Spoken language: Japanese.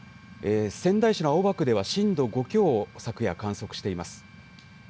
仙台市の青葉区では震度５強を昨夜、観測しています。